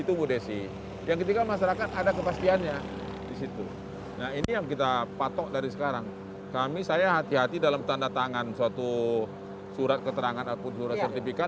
itu mudah sih yang ketiga masyarakat ada kepastiannya di situ nah ini yang kita patok dari sekarang kami saya hati hati dalam tanda tangan suatu surat keterangan ataupun surat sertifikat